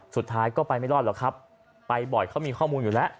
สุดท้ายก็ไปไม่รอดหรอกครับไปบ่อยเขามีข้อมูลอยู่แล้ว